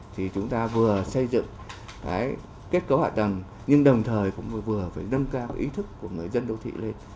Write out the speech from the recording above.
thì chúng ta vừa xây dựng cái kết cấu hạ tầng nhưng đồng thời cũng vừa phải nâng cao ý thức của người dân đô thị lên